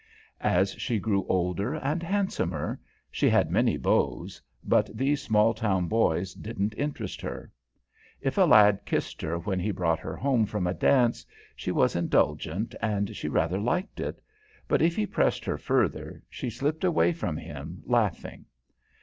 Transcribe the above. As she grew older and handsomer, she had many beaux, but these small town boys didn't interest her. If a lad kissed her when he brought her home from a dance, she was indulgent and she rather liked it. But if he pressed her further, she slipped away from him, laughing.